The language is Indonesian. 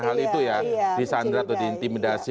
hal itu ya di sandrat atau diintimidasi